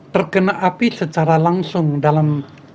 terkena api secara langsung dalam